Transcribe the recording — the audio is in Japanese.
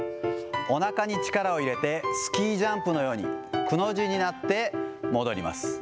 おなかに力を入れて、スキージャンプのように、くの字になって戻ります。